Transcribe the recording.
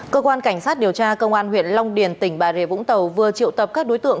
cơ quan cảnh sát điều tra công an huyện long điền tỉnh bà rịa vũng tàu vừa triệu tập các đối tượng